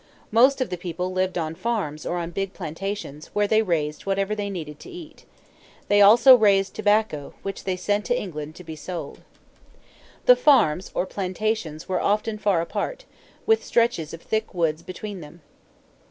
Most of the people lived on farms or on big plantations, where they raised whatever they needed to eat. They also raised tobacco, which they sent to England to be sold. The farms, or plantations, were often far apart, with stretches of thick woods between them.